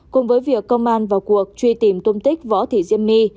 cùng với việc công an vào cuộc truy tìm tùm tích võ thị diễm my